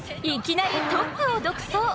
いきなりトップを独走。